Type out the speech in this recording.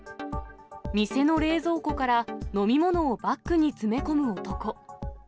店の冷蔵庫から飲み物をバッグに詰め込む男。